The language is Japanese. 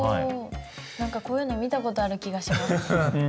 何かこういうの見たことある気がします。